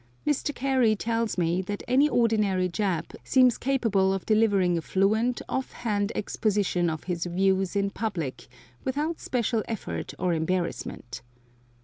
Mr. Carey tells me that any ordinary Jap seems capable of delivering a fluent, off hand exposition of his views in public without special effort or embarrassment.